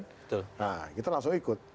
nah kita langsung ikut